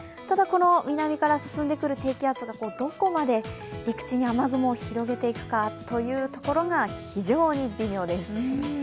ただ、南から進んでくる低気圧がどこまで陸地に雨雲を広げていくかというところが非常に微妙です。